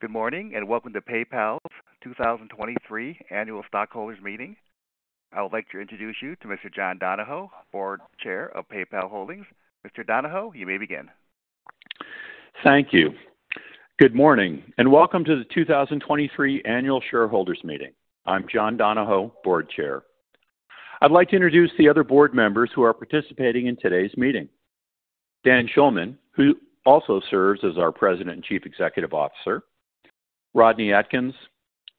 Good morning, welcome to PayPal's 2023 Annual Stockholders Meeting. I would like to introduce you to Mr. John Donahoe, Board Chair of PayPal Holdings. Mr. Donahoe, you may begin. Thank you. Good morning, and welcome to the 2023 Annual Shareholders Meeting. I'm John Donahoe, Board Chair. I'd like to introduce the other board members who are participating in today's meeting. Dan Schulman, who also serves as our President and Chief Executive Officer, Rodney Adkins,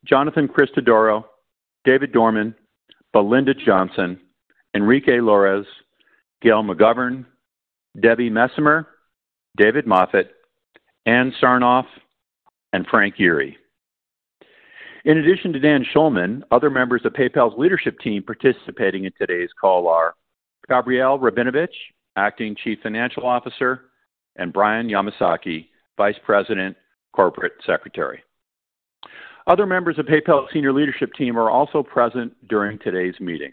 Jonathan Christodoro, David Dorman, Belinda Johnson, Enrique Lores, Gail McGovern, Debbie Messemer, David Moffett, Ann Sarnoff, and Frank Yeary. In addition to Dan Schulman, other members of PayPal's leadership team participating in today's call are Gabrielle Rabinovitch, Acting Chief Financial Officer, and Brian Yamasaki, Vice President, Corporate Secretary. Other members of PayPal's senior leadership team are also present during today's meeting.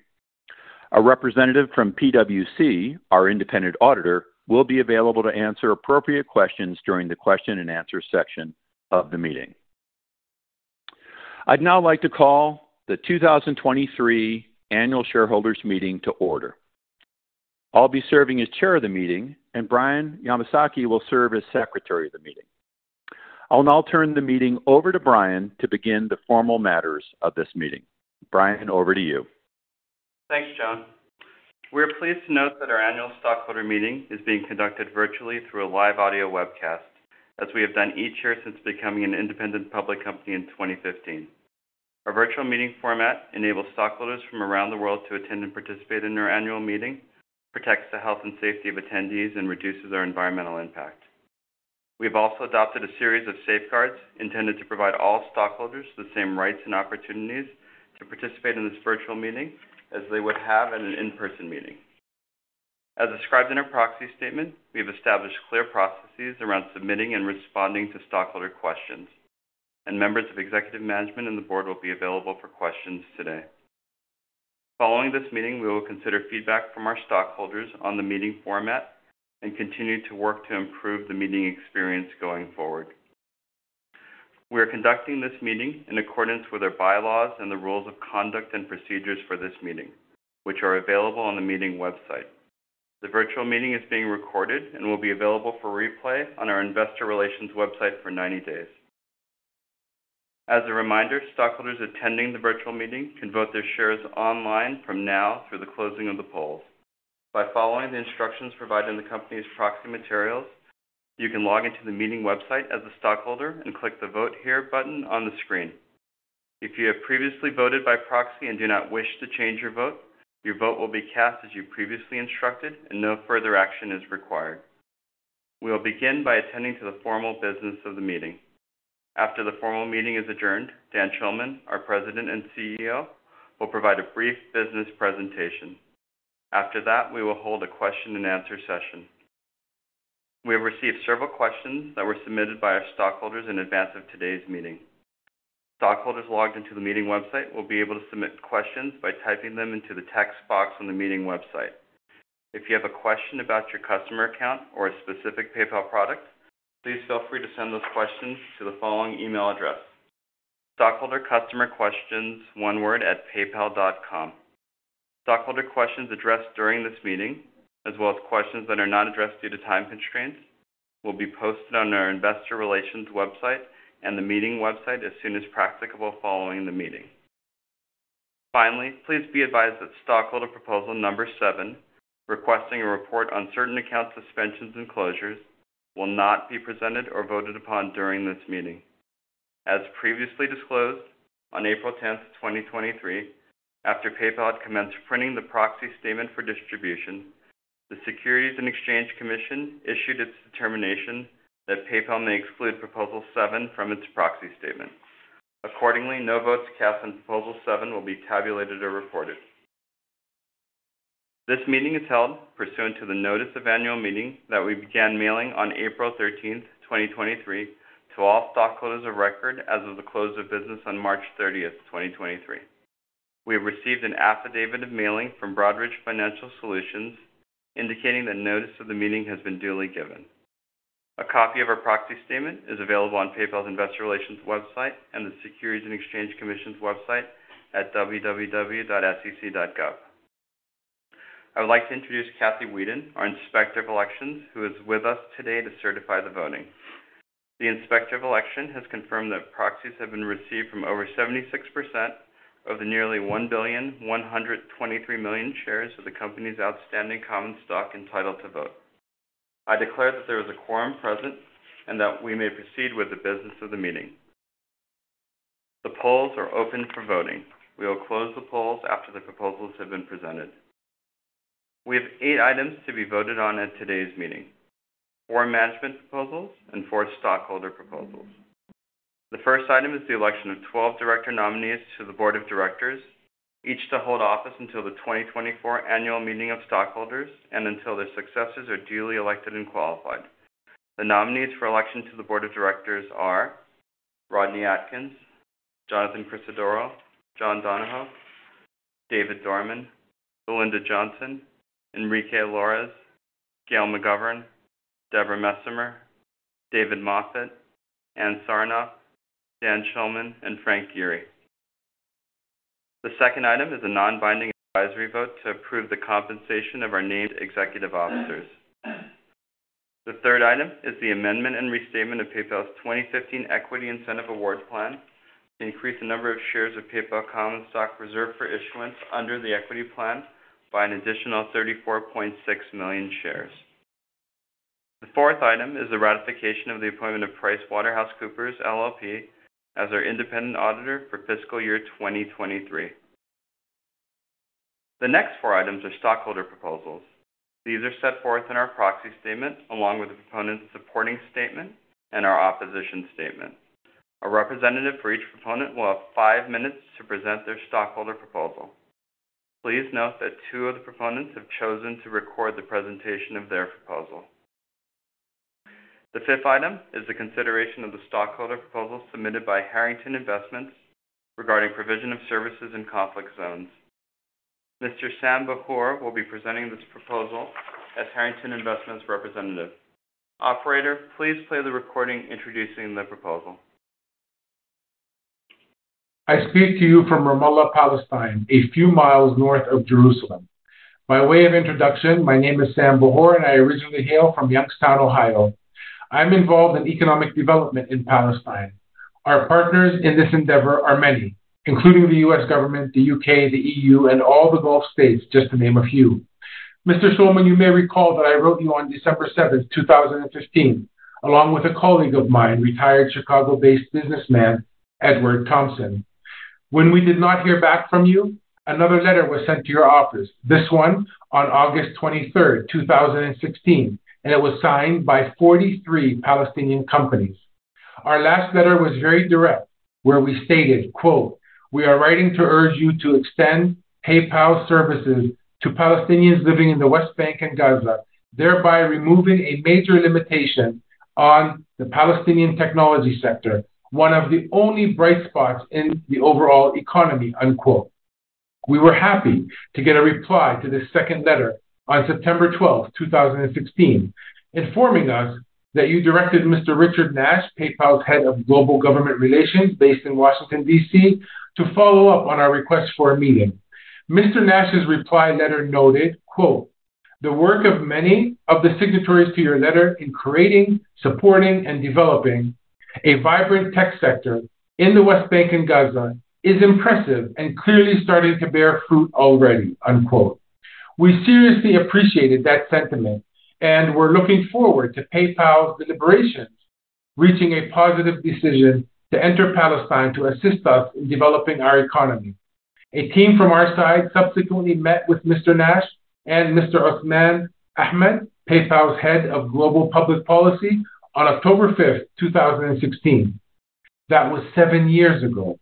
A representative from PwC, our independent auditor, will be available to answer appropriate questions during the question-and-answer section of the meeting. I'd now like to call the 2023 Annual Shareholders Meeting to order. I'll be serving as chair of the meeting, and Brian Yamasaki will serve as secretary of the meeting. I'll now turn the meeting over to Brian to begin the formal matters of this meeting. Brian, over to you. Thanks, John. We're pleased to note that our annual stockholder meeting is being conducted virtually through a live audio webcast, as we have done each year since becoming an independent public company in 2015. Our virtual meeting format enables stockholders from around the world to attend and participate in our annual meeting, protects the health and safety of attendees, and reduces our environmental impact. We have also adopted a series of safeguards intended to provide all stockholders the same rights and opportunities to participate in this virtual meeting as they would have at an in-person meeting. As described in our proxy statement, we have established clear processes around submitting and responding to stockholder questions, and members of executive management and the board will be available for questions today. Following this meeting, we will consider feedback from our stockholders on the meeting format and continue to work to improve the meeting experience going forward. We are conducting this meeting in accordance with our bylaws and the rules of conduct and procedures for this meeting, which are available on the meeting website. The virtual meeting is being recorded and will be available for replay on our investor relations website for 90 days. As a reminder, stockholders attending the virtual meeting can vote their shares online from now through the closing of the polls. By following the instructions provided in the company's proxy materials, you can log into the meeting website as a stockholder and click the Vote Here button on the screen. If you have previously voted by proxy and do not wish to change your vote, your vote will be cast as you previously instructed and no further action is required. We will begin by attending to the formal business of the meeting. After the formal meeting is adjourned, Dan Schulman, our president and CEO, will provide a brief business presentation. After that, we will hold a question-and-answer session. We have received several questions that were submitted by our stockholders in advance of today's meeting. Stockholders logged into the meeting website will be able to submit questions by typing them into the text box on the meeting website. If you have a question about your customer account or a specific PayPal product, please feel free to send those questions to the following email address: stockholdercustomerquestions@paypal.com. Stockholder questions addressed during this meeting, as well as questions that are not addressed due to time constraints, will be posted on our investor relations website and the meeting website as soon as practicable following the meeting. Finally, please be advised that stockholder proposal number seven, requesting a report on certain account suspensions and closures, will not be presented or voted upon during this meeting. As previously disclosed, on 10th April, 2023, after PayPal had commenced printing the proxy statement for distribution, the Securities and Exchange Commission issued its determination that PayPal may exclude proposal seven from its proxy statement. Accordingly, no votes cast on proposal seven will be tabulated or reported. This meeting is held pursuant to the notice of annual meeting that we began mailing on 13th April 2023 to all stockholders of record as of the close of business on 30th March 2023. We have received an affidavit of mailing from Broadridge Financial Solutions indicating that notice of the meeting has been duly given. A copy of our proxy statement is available on PayPal's investor relations website and the Securities and Exchange Commission's website at www.sec.gov. I would like to introduce Kathy Weeden, our Inspector of Elections, who is with us today to certify the voting. The Inspector of Election has confirmed that proxies have been received from over 76% of the nearly 1,123 million shares of the company's outstanding common stock entitled to vote. I declare that there is a quorum present and that we may proceed with the business of the meeting. The polls are open for voting. We will close the polls after the proposals have been presented. We have 8 items to be voted on at today's meeting, four management proposals and four stockholder proposals. The first item is the election of 12 director nominees to the Board of Directors, each to hold office until the 2024 annual meeting of stockholders and until their successors are duly elected and qualified. The nominees for election to the Board of Directors are Rodney Atkins, Jonathan Christodoro, John Donahoe, David Dorman, Belinda Johnson, Enrique Lores, Gail McGovern, Deborah M. Messemer, David Moffett, Ann Sarnoff, Dan Schulman, and Frank Yeary. The second item is a non-binding advisory vote to approve the compensation of our named executive officers. The third item is the amendment and restatement of PayPal's 2015 Equity Incentive Award Plan to increase the number of shares of PayPal common stock reserved for issuance under the equity plan by an additional 34.6 million shares. The fourth item is the ratification of the appointment of PricewaterhouseCoopers, LLP as our independent auditor for fiscal year 2023. The next four items are stockholder proposals. These are set forth in our proxy statement, along with the proponents' supporting statement and our opposition statement. A representative for each proponent will have 5 minutes to present their stockholder proposal. Please note that two of the proponents have chosen to record the presentation of their proposal. The fifth item is the consideration of the stockholder proposal submitted by Harrington Investments regarding provision of services in conflict zones. Mr. Sam Bahour will be presenting this proposal as Harrington Investments representative. Operator, please play the recording introducing the proposal. I speak to you from Ramallah, Palestine, a few miles north of Jerusalem. By way of introduction, my name is Sam Bahour, and I originally hail from Youngstown, Ohio. I'm involved in economic development in Palestine. Our partners in this endeavor are many, including the U.S. government, the U.K., the E.U., and all the Gulf states, just to name a few. Mr. Schulman, you may recall that I wrote you on December 7th, 2015, along with a colleague of mine, retired Chicago-based businessman Edward Thompson. When we did not hear back from you, another letter was sent to your office. This one on 23rd August, 2016, and it was signed by 43 Palestinian companies. Our last letter was very direct, where we stated, quote, "We are writing to urge you to extend PayPal services to Palestinians living in the West Bank and Gaza, thereby removing a major limitation on the Palestinian technology sector, one of the only bright spots in the overall economy." Unquote. We were happy to get a reply to this second letter on 12th September, 2016, informing us that you directed Mr. Richard Nash, PayPal's Head of Global Government Relations based in Washington, D.C., to follow up on our request for a meeting. Mr. Nash's reply letter noted, quote, "The work of many of the signatories to your letter in creating, supporting, and developing a vibrant tech sector in the West Bank and Gaza is impressive and clearly starting to bear fruit already." Unquote. We seriously appreciated that sentiment, and we're looking forward to PayPal's deliberations reaching a positive decision to enter Palestine to assist us in developing our economy. A team from our side subsequently met with Mr. Nash and Mr. Usman Ahmed, PayPal's Head of Global Public Policy, on October 5, 2016. That was seven years ago.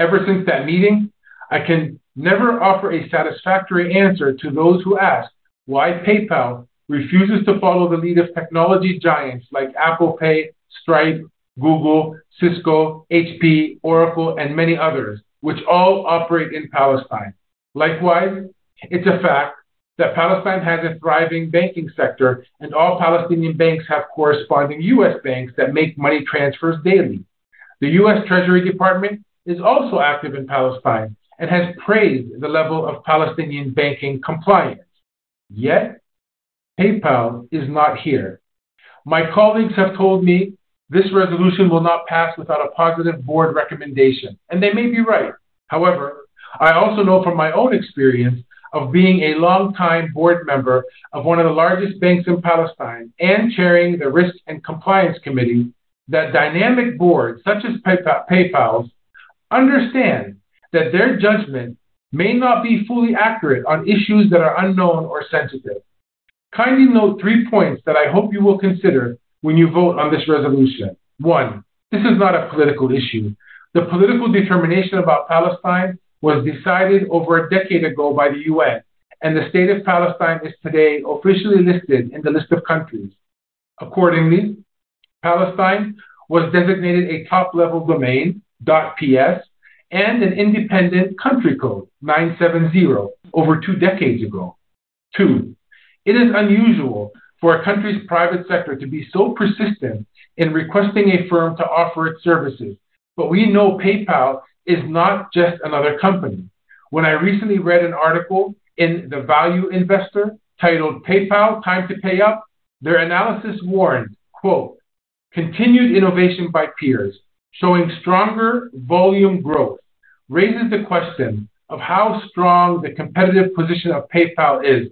Ever since that meeting, I can never offer a satisfactory answer to those who ask why PayPal refuses to follow the lead of technology giants like Apple Pay, Stripe, Google, Cisco, HP, Oracle, and many others, which all operate in Palestine. Likewise, it's a fact that Palestine has a thriving banking sector, and all Palestinian banks have corresponding U.S. banks that make money transfers daily. The U.S. Department of the Treasury is also active in Palestine and has praised the level of Palestinian banking compliance. Yet PayPal is not here. My colleagues have told me this resolution will not pass without a positive board recommendation. They may be right. However, I also know from my own experience of being a longtime board member of one of the largest banks in Palestine and chairing the Risk and Compliance Committee that dynamic boards such as PayPal's understand that their judgment may not be fully accurate on issues that are unknown or sensitive. Kindly note three points that I hope you will consider when you vote on this resolution. 1, this is not a political issue. The political determination about Palestine was decided over a decade ago by the UN, and the state of Palestine is today officially listed in the list of countries. Accordingly, Palestine was designated a top-level domain, dot PS, and an independent country code 970 over two decades ago. two, it is unusual for a country's private sector to be so persistent in requesting a firm to offer its services. We know PayPal is not just another company. When I recently read an article in The Value Investor titled PayPal: Time to Pay Up?, their analysis warned, "Continued innovation by peers showing stronger volume growth raises the question of how strong the competitive position of PayPal is."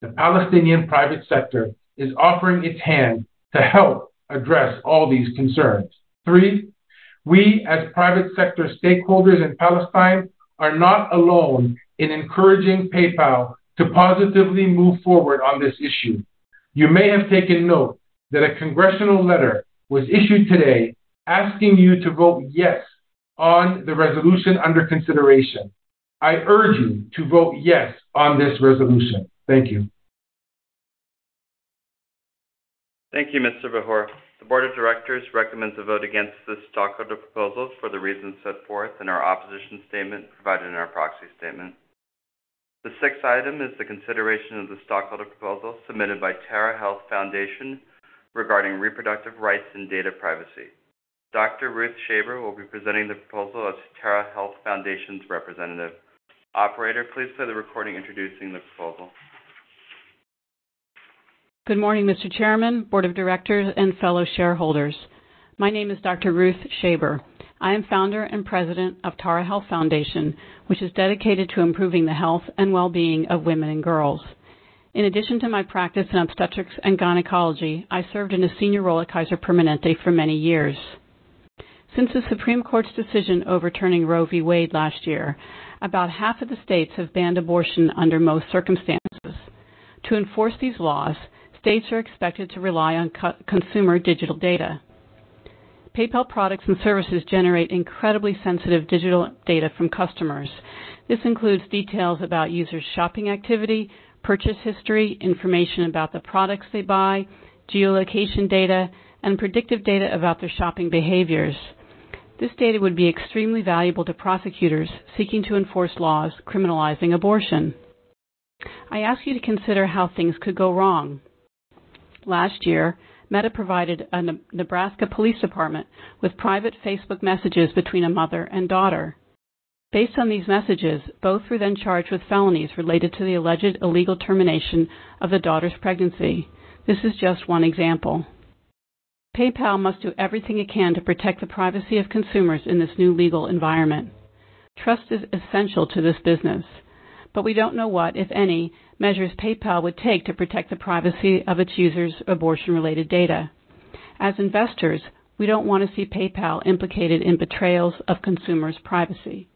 The Palestinian private sector is offering its hand to help address all these concerns. three, we, as private sector stakeholders in Palestine, are not alone in encouraging PayPal to positively move forward on this issue. You may have taken note that a congressional letter was issued today asking you to vote yes on the resolution under consideration. I urge you to vote yes on this resolution. Thank you. Thank you, Mr. Bahour. The board of directors recommends a vote against this stockholder proposal for the reasons set forth in our opposition statement provided in our proxy statement. The sixth item is the consideration of the stockholder proposal submitted by Tara Health Foundation regarding reproductive rights and data privacy. Dr. Ruth Shaber will be presenting the proposal as Tara Health Foundation's representative. Operator, please play the recording introducing the proposal. Good morning, Mr. Chairman, board of directors, and fellow shareholders. My name is Dr. Ruth Shaber. I am founder and president of Tara Health Foundation, which is dedicated to improving the health and well-being of women and girls. In addition to my practice in obstetrics and gynecology, I served in a senior role at Kaiser Permanente for many years. Since the Supreme Court's decision overturning Roe v. Wade last year, about half of the states have banned abortion under most circumstances. To enforce these laws, states are expected to rely on co-consumer digital data. PayPal products and services generate incredibly sensitive digital data from customers. This includes details about users' shopping activity, purchase history, information about the products they buy, geolocation data, and predictive data about their shopping behaviors. This data would be extremely valuable to prosecutors seeking to enforce laws criminalizing abortion. I ask you to consider how things could go wrong. Last year, Meta provided a Nebraska police department with private Facebook messages between a mother and daughter. Based on these messages, both were then charged with felonies related to the alleged illegal termination of the daughter's pregnancy. This is just one example. PayPal must do everything it can to protect the privacy of consumers in this new legal environment. Trust is essential to this business, we don't know what, if any, measures PayPal would take to protect the privacy of its users abortion-related data. As investors, we don't want to see PayPal implicated in betrayals of consumers' privacy.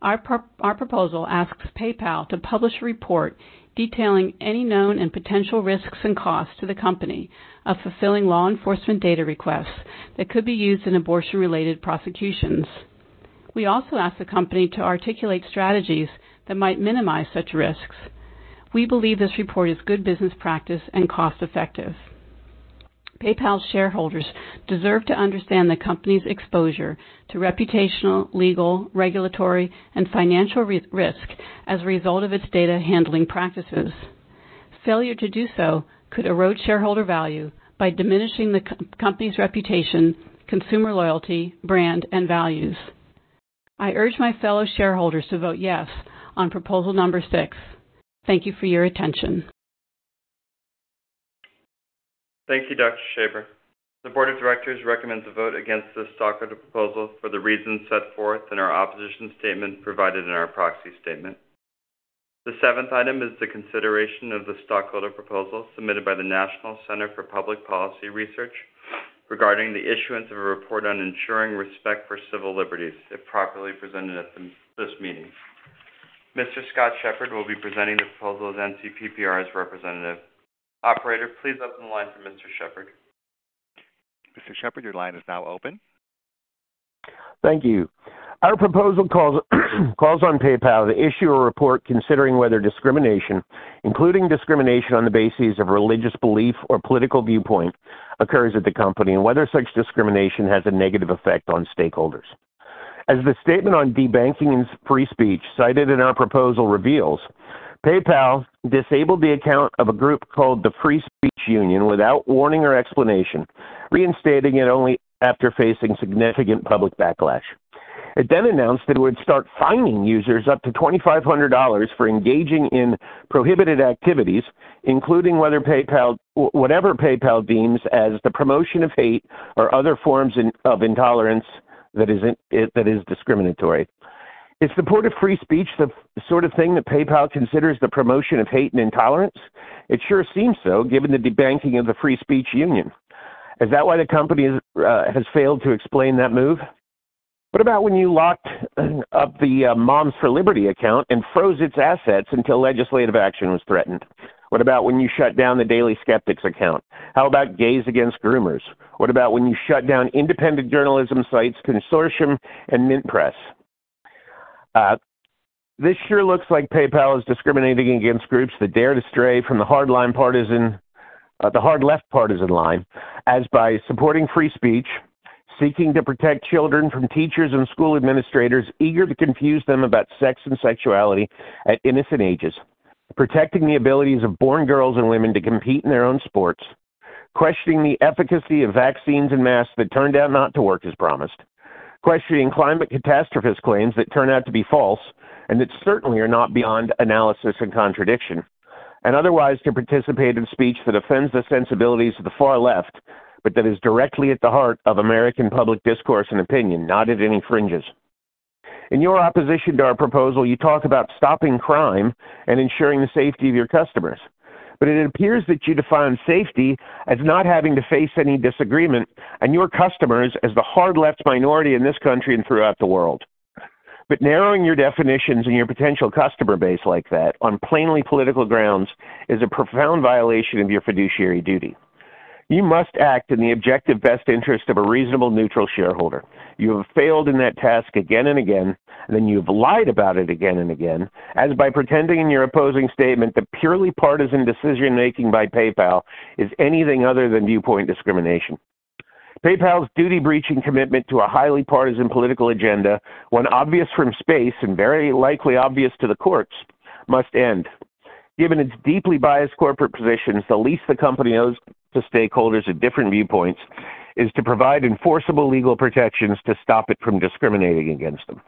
Our proposal asks PayPal to publish a report detailing any known and potential risks and costs to the company of fulfilling law enforcement data requests that could be used in abortion-related prosecutions. We also ask the company to articulate strategies that might minimize such risks. We believe this report is good business practice and cost-effective. PayPal shareholders deserve to understand the company's exposure to reputational, legal, regulatory, and financial re-risk as a result of its data handling practices. Failure to do so could erode shareholder value by diminishing the company's reputation, consumer loyalty, brand, and values. I urge my fellow shareholders to vote yes on proposal number 6. Thank you for your attention. Thank you, Dr. Shaber. The board of directors recommends a vote against this stockholder proposal for the reasons set forth in our opposition statement provided in our proxy statement. The seventh item is the consideration of the stockholder proposal submitted by the National Center for Public Policy Research regarding the issuance of a report on ensuring respect for civil liberties, if properly presented at this meeting. Mr. Scott Shepherd will be presenting the proposal as NCPPR's representative. Operator, please open the line for Mr. Shepherd. Mr. Shepherd, your line is now open. Thank you. Our proposal calls on PayPal to issue a report considering whether discrimination, including discrimination on the basis of religious belief or political viewpoint, occurs at the company and whether such discrimination has a negative effect on stakeholders. As the statement on debanking and free speech cited in our proposal reveals, PayPal disabled the account of a group called the Free Speech Union without warning or explanation, reinstating it only after facing significant public backlash. It announced that it would start fining users up to $2,500 for engaging in prohibited activities, including whatever PayPal deems as the promotion of hate or other forms of intolerance that is discriminatory. Is support of free speech the sort of thing that PayPal considers the promotion of hate and intolerance? It sure seems so, given the debanking of the Free Speech Union. Is that why the company is, has failed to explain that move? What about when you locked up the Moms for Liberty account and froze its assets until legislative action was threatened? What about when you shut down The Daily Sceptic account? How about Gays Against Groomers? What about when you shut down independent journalism sites Consortium News and MintPress News? This sure looks like PayPal is discriminating against groups that dare to stray from the hard line partisan, the hard left partisan line, as by supporting free speech, seeking to protect children from teachers and school administrators eager to confuse them about sex and sexuality at innocent ages, protecting the abilities of born girls and women to compete in their own sports, questioning the efficacy of vaccines and masks that turned out not to work as promised, questioning climate catastrophist claims that turn out to be false and that certainly are not beyond analysis and contradiction, and otherwise to participate in speech that offends the sensibilities of the far left, but that is directly at the heart of American public discourse and opinion, not at any fringes. In your opposition to our proposal, you talk about stopping crime and ensuring the safety of your customers, but it appears that you define safety as not having to face any disagreement and your customers as the hard left minority in this country and throughout the world. Narrowing your definitions and your potential customer base like that on plainly political grounds is a profound violation of your fiduciary duty. You must act in the objective best interest of a reasonable neutral shareholder. You have failed in that task again and again, and then you've lied about it again and again, as by pretending in your opposing statement the purely partisan decision-making by PayPal is anything other than viewpoint discrimination. PayPal's duty breaching commitment to a highly partisan political agenda, when obvious from space and very likely obvious to the courts, must end. Given its deeply biased corporate positions, the least the company owes to stakeholders with different viewpoints is to provide enforceable legal protections to stop it from discriminating against them.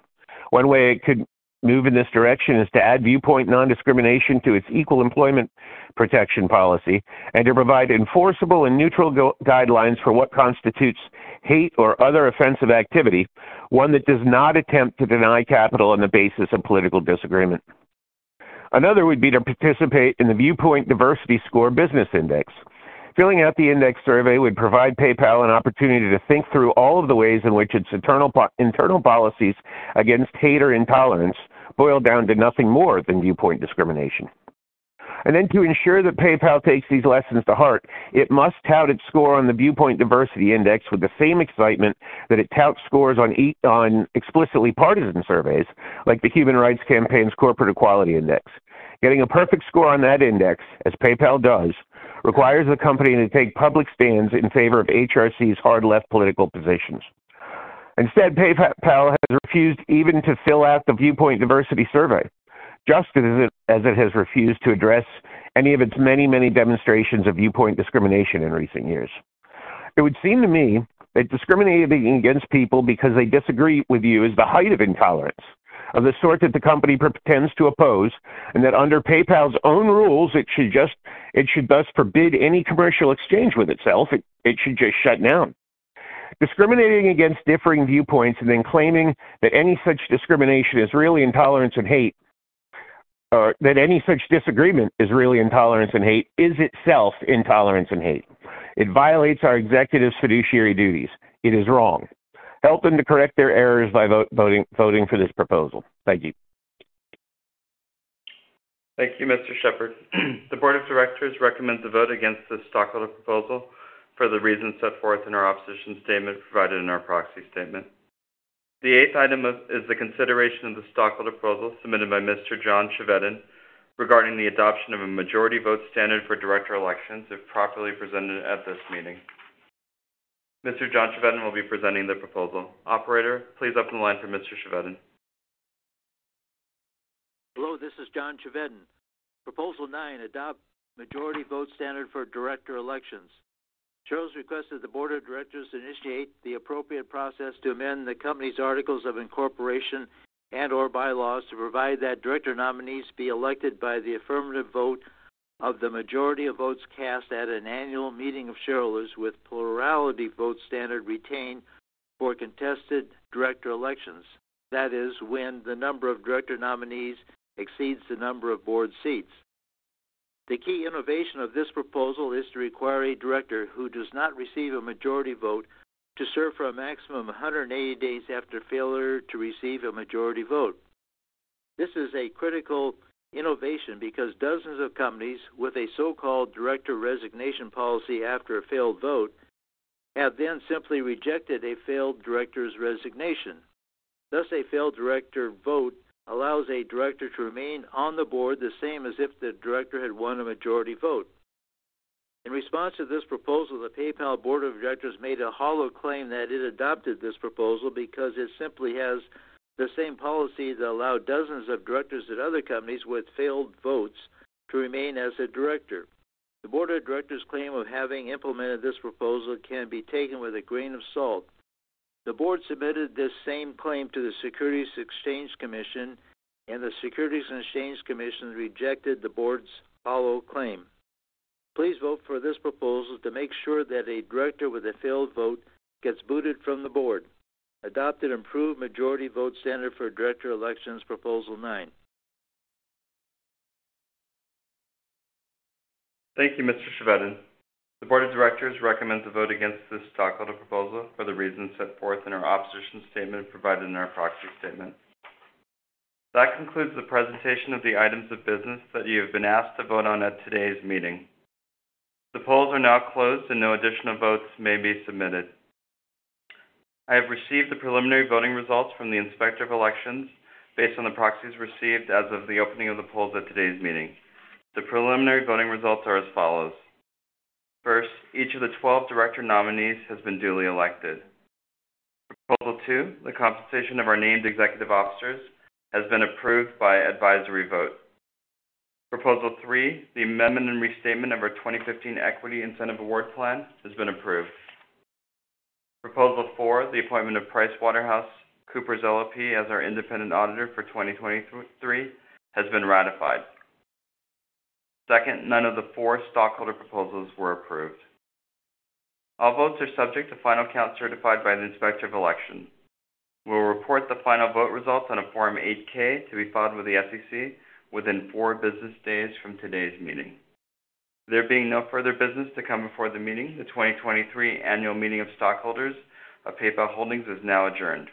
One way it could move in this direction is to add viewpoint non-discrimination to its equal employment protection policy and to provide enforceable and neutral guidelines for what constitutes hate or other offensive activity, one that does not attempt to deny capital on the basis of political disagreement. Another would be to participate in the Viewpoint Diversity Score Business Index. Filling out the index survey would provide PayPal an opportunity to think through all of the ways in which its internal policies against hate or intolerance boil down to nothing more than viewpoint discrimination. To ensure that PayPal takes these lessons to heart, it must tout its score on the Viewpoint Diversity Index with the same excitement that it touts scores on explicitly partisan surveys, like the Human Rights Campaign's Corporate Equality Index. Getting a perfect score on that index, as PayPal does, requires the company to take public stands in favor of HRC's hard left political positions. Instead, PayPal has refused even to fill out the Viewpoint Diversity survey, just as it has refused to address any of its many demonstrations of viewpoint discrimination in recent years. It would seem to me that discriminating against people because they disagree with you is the height of intolerance, of the sort that the company pretends to oppose, and that under PayPal's own rules, it should thus forbid any commercial exchange with itself. It should just shut down. Discriminating against differing viewpoints and then claiming that any such discrimination is really intolerance and hate, or that any such disagreement is really intolerance and hate is itself intolerance and hate. It violates our executives' fiduciary duties. It is wrong. Help them to correct their errors by voting for this proposal. Thank you. Thank you, Mr. Shepherd. The board of directors recommends a vote against this stockholder proposal for the reasons set forth in our opposition statement provided in our proxy statement. The eighth item is the consideration of the stockholder proposal submitted by Mr. John Chevedden regarding the adoption of a majority vote standard for director elections, if properly presented at this meeting. Mr. John Chevedden will be presenting the proposal. Operator, please open the line for Mr. Chevedden. Hello, this is John Chevedden. Proposal nine, adopt majority vote standard for director elections. Shares request that the board of directors initiate the appropriate process to amend the company's articles of incorporation and/or bylaws to provide that director nominees be elected by the affirmative vote of the majority of votes cast at an annual meeting of shareholders with plurality vote standard retained for contested director elections. That is when the number of director nominees exceeds the number of board seats. The key innovation of this proposal is to require a director who does not receive a majority vote to serve for a maximum of 180 days after failure to receive a majority vote. This is a critical innovation because dozens of companies with a so-called director resignation policy after a failed vote have then simply rejected a failed director's resignation. Thus, a failed director vote allows a director to remain on the board the same as if the director had won a majority vote. In response to this proposal, the PayPal board of directors made a hollow claim that it adopted this proposal because it simply has the same policy that allow dozens of directors at other companies with failed votes to remain as a director. The board of directors' claim of having implemented this proposal can be taken with a grain of salt. The board submitted this same claim to the Securities and Exchange Commission, and the Securities and Exchange Commission rejected the board's hollow claim. Please vote for this proposal to make sure that a director with a failed vote gets booted from the board. Adopt an improved majority vote standard for director elections, proposal nine. Thank you, Mr. Chevedden. The board of directors recommends a vote against this stockholder proposal for the reasons set forth in our opposition statement provided in our proxy statement. That concludes the presentation of the items of business that you have been asked to vote on at today's meeting. The polls are now closed, and no additional votes may be submitted. I have received the preliminary voting results from the Inspector of Elections based on the proxies received as of the opening of the polls at today's meeting. The preliminary voting results are as follows. First, each of the 12 director nominees has been duly elected. Proposal two, the compensation of our named executive officers has been approved by advisory vote. Proposal three, the amendment and restatement of our 2015 Equity Incentive Award Plan has been approved. Proposal four, the appointment of PricewaterhouseCoopers LLP as our independent auditor for 2023 has been ratified. Second, none of the four stockholder proposals were approved. All votes are subject to final count certified by the Inspector of Elections. We'll report the final vote results on a Form 8-K to be filed with the SEC within four business days from today's meeting. There being no further business to come before the meeting, the 2023 annual meeting of stockholders of PayPal Holdings is now adjourned.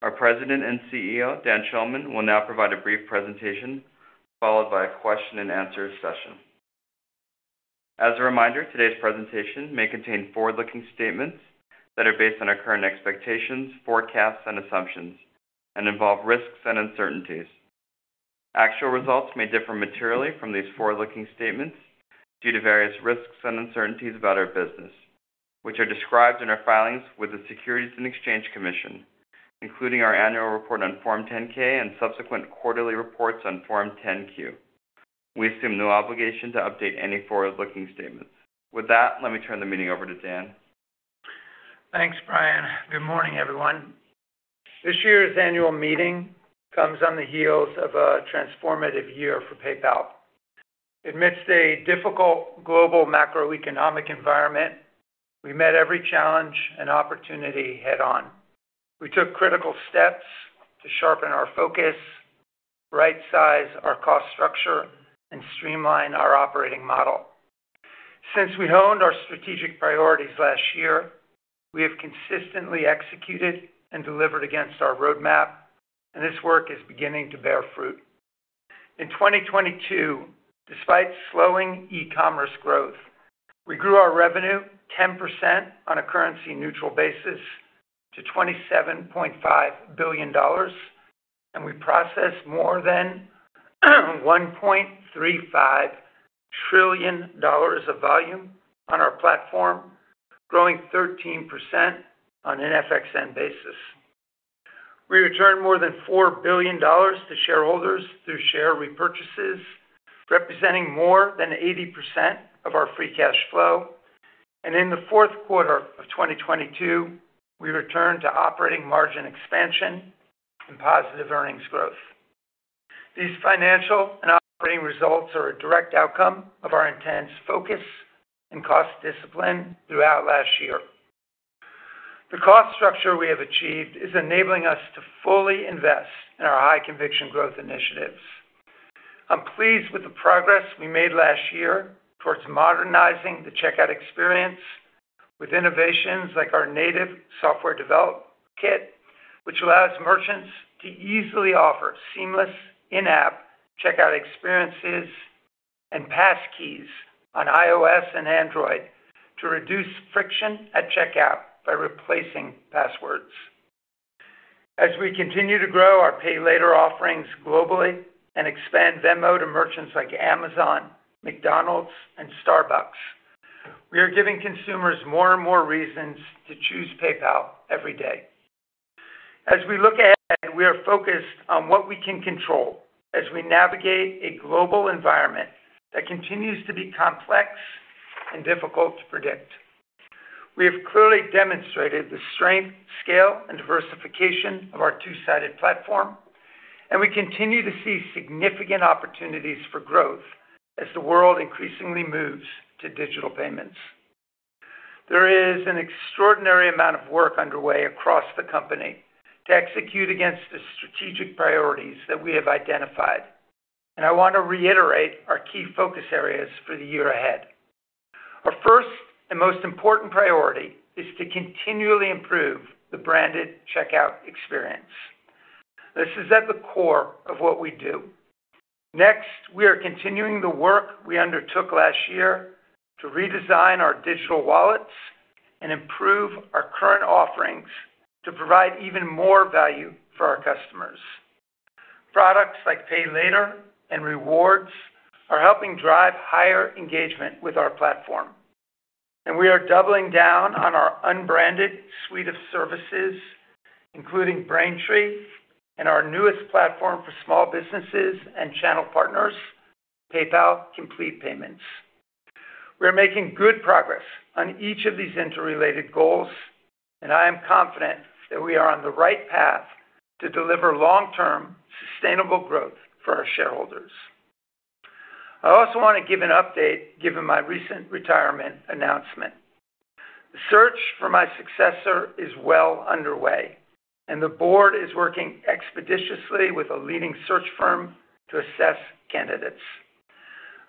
Our President and CEO, Dan Schulman, will now provide a brief presentation, followed by a question and answer session. As a reminder, today's presentation may contain forward-looking statements that are based on our current expectations, forecasts, and assumptions and involve risks and uncertainties. Actual results may differ materially from these forward-looking statements due to various risks and uncertainties about our business, which are described in our filings with the Securities and Exchange Commission, including our annual report on Form 10-K and subsequent quarterly reports on Form 10-Q. We assume no obligation to update any forward-looking statements. With that, let me turn the meeting over to Dan. Thanks, Brian. Good morning, everyone. This year's annual meeting comes on the heels of a transformative year for PayPal. Amidst a difficult global macroeconomic environment, we met every challenge and opportunity head-on. We took critical steps to sharpen our focus, right-size our cost structure, and streamline our operating model. Since we honed our strategic priorities last year, we have consistently executed and delivered against our roadmap, and this work is beginning to bear fruit. In 2022, despite slowing e-commerce growth, we grew our revenue 10% on a currency neutral basis to $27.5 billion, and we processed more than $1.35 trillion of volume on our platform, growing 13% on an FXn basis. We returned more than $4 billion to shareholders through share repurchases, representing more than 80% of our free cash flow. In the fourth quarter of 2022, we returned to operating margin expansion and positive earnings growth. These financial and operating results are a direct outcome of our intense focus and cost discipline throughout last year. The cost structure we have achieved is enabling us to fully invest in our high conviction growth initiatives. I'm pleased with the progress we made last year towards modernizing the checkout experience with innovations like our native software develop kit, which allows merchants to easily offer seamless in-app checkout experiences and pass keys on iOS and Android to reduce friction at checkout by replacing passwords. As we continue to grow our Pay Later offerings globally and expand Venmo to merchants like Amazon, McDonald's and Starbucks, we are giving consumers more and more reasons to choose PayPal every day. As we look ahead, we are focused on what we can control as we navigate a global environment that continues to be complex and difficult to predict. We have clearly demonstrated the strength, scale, and diversification of our two-sided platform, and we continue to see significant opportunities for growth as the world increasingly moves to digital payments. There is an extraordinary amount of work underway across the company to execute against the strategic priorities that we have identified, and I want to reiterate our key focus areas for the year ahead. Our first and most important priority is to continually improve the branded checkout experience. This is at the core of what we do. Next, we are continuing the work we undertook last year to redesign our digital wallets and improve our current offerings to provide even more value for our customers. Products like Pay Later and Rewards are helping drive higher engagement with our platform. We are doubling down on our unbranded suite of services, including Braintree and our newest platform for small businesses and channel partners, PayPal Complete Payments. We are making good progress on each of these interrelated goals. I am confident that we are on the right path to deliver long-term sustainable growth for our shareholders. I also want to give an update given my recent retirement announcement. The search for my successor is well underway. The board is working expeditiously with a leading search firm to assess candidates.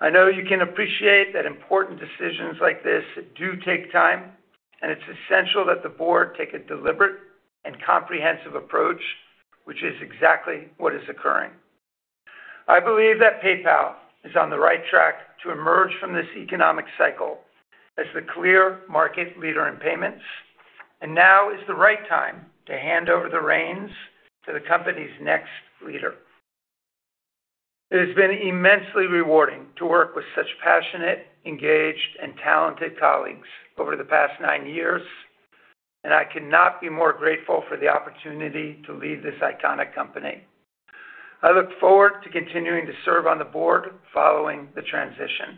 I know you can appreciate that important decisions like this do take time. It's essential that the board take a deliberate and comprehensive approach, which is exactly what is occurring. I believe that PayPal is on the right track to emerge from this economic cycle as the clear market leader in payments, and now is the right time to hand over the reins to the company's next leader. It has been immensely rewarding to work with such passionate, engaged, and talented colleagues over the past nine years, and I cannot be more grateful for the opportunity to lead this iconic company. I look forward to continuing to serve on the board following the transition.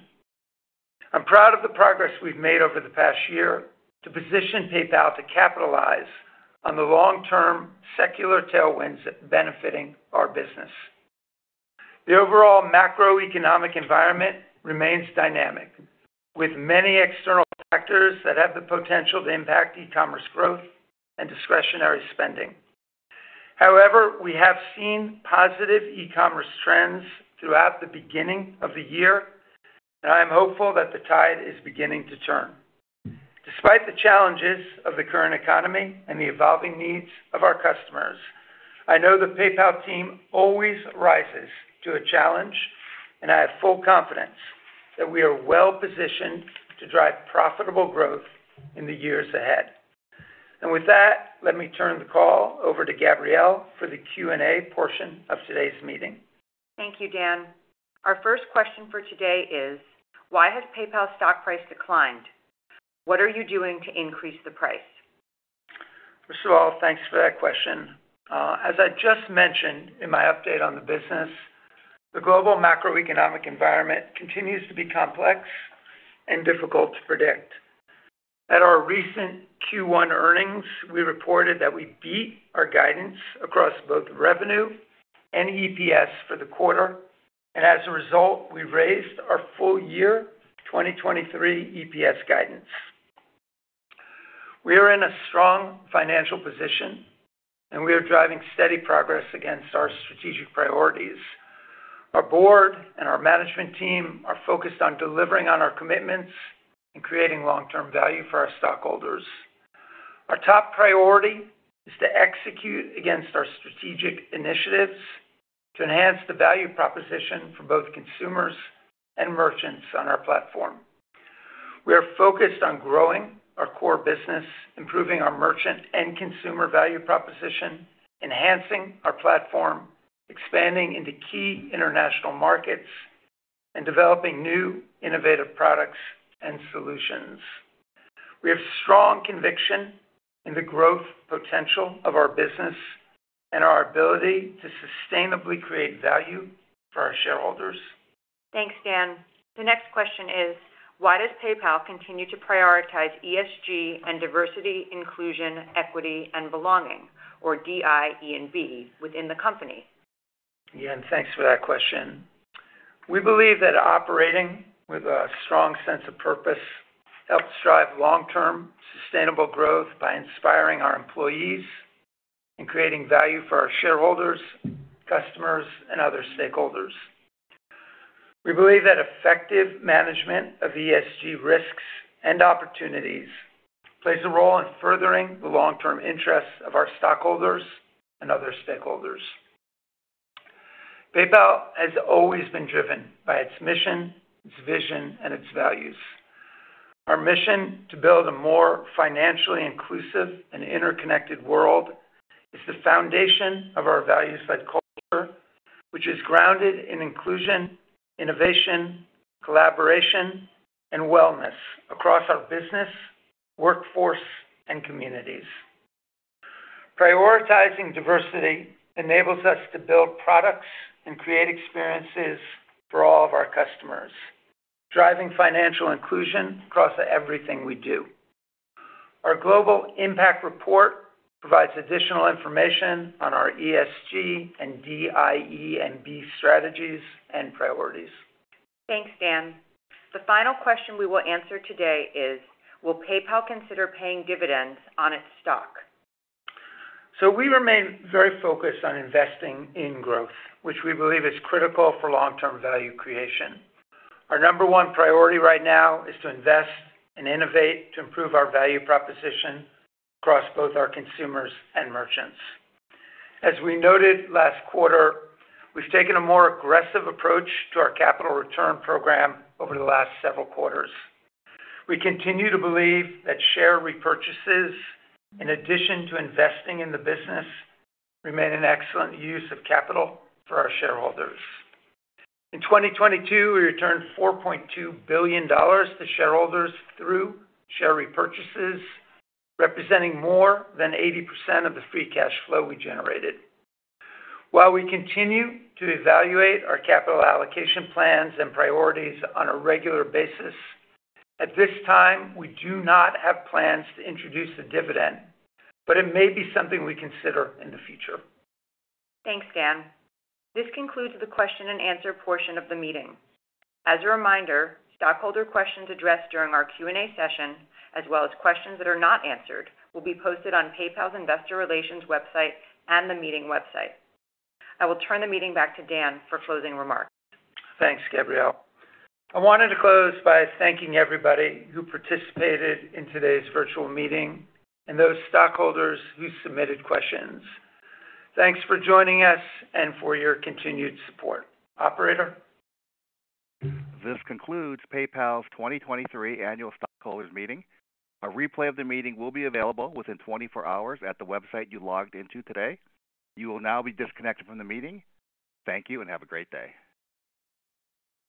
I'm proud of the progress we've made over the past year to position PayPal to capitalize on the long-term secular tailwinds benefiting our business. The overall macroeconomic environment remains dynamic, with many external factors that have the potential to impact e-commerce growth and discretionary spending. However, we have seen positive e-commerce trends throughout the beginning of the year, and I am hopeful that the tide is beginning to turn. Despite the challenges of the current economy and the evolving needs of our customers, I know the PayPal team always rises to a challenge, and I have full confidence that we are well-positioned to drive profitable growth in the years ahead. With that, let me turn the call over to Gabrielle for the Q&A portion of today's meeting. Thank you, Dan. Our first question for today is: why has PayPal's stock price declined? What are you doing to increase the price? First of all, thanks for that question. As I just mentioned in my update on the business, the global macroeconomic environment continues to be complex and difficult to predict. At our recent Q1 earnings, we reported that we beat our guidance across both revenue and EPS for the quarter. As a result, we raised our full year 2023 EPS guidance. We are in a strong financial position, and we are driving steady progress against our strategic priorities. Our board and our management team are focused on delivering on our commitments and creating long-term value for our stockholders. Our top priority is to execute against our strategic initiatives to enhance the value proposition for both consumers and merchants on our platform. We are focused on growing our core business, improving our merchant and consumer value proposition, enhancing our platform, expanding into key international markets, and developing new innovative products and solutions. We have strong conviction in the growth potential of our business and our ability to sustainably create value for our shareholders. Thanks, Dan. The next question is: why does PayPal continue to prioritize ESG and Diversity, Inclusion, Equity and Belonging, or DI&B, within the company? Yeah, thanks for that question. We believe that operating with a strong sense of purpose helps drive long-term sustainable growth by inspiring our employees and creating value for our shareholders, customers, and other stakeholders. We believe that effective management of ESG risks and opportunities plays a role in furthering the long-term interests of our stockholders and other stakeholders. PayPal has always been driven by its mission, its vision, and its values. Our mission to build a more financially inclusive and interconnected world is the foundation of our values-led culture, which is grounded in inclusion, innovation, collaboration, and wellness across our business, workforce, and communities. Prioritizing diversity enables us to build products and create experiences for all of our customers, driving financial inclusion across everything we do. Our global impact report provides additional information on our ESG and DI&B strategies and priorities. Thanks, Dan. The final question we will answer today is: will PayPal consider paying dividends on its stock? We remain very focused on investing in growth, which we believe is critical for long-term value creation. Our number 1 priority right now is to invest and innovate to improve our value proposition across both our consumers and merchants. As we noted last quarter, we've taken a more aggressive approach to our capital return program over the last several quarters. We continue to believe that share repurchases, in addition to investing in the business, remain an excellent use of capital for our shareholders. In 2022, we returned $4.2 billion to shareholders through share repurchases, representing more than 80% of the free cash flow we generated. We continue to evaluate our capital allocation plans and priorities on a regular basis, at this time, we do not have plans to introduce a dividend, but it may be something we consider in the future. Thanks, Dan. This concludes the question and answer portion of the meeting. As a reminder, stockholder questions addressed during our Q&A session, as well as questions that are not answered, will be posted on PayPal's Investor Relations website and the meeting website. I will turn the meeting back to Dan for closing remarks. Thanks, Gabrielle. I wanted to close by thanking everybody who participated in today's virtual meeting and those stockholders who submitted questions. Thanks for joining us and for your continued support. Operator? This concludes PayPal's 2023 Annual Stockholders' Meeting. A replay of the meeting will be available within 24 hours at the website you logged into today. You will now be disconnected from the meeting. Thank you and have a great day.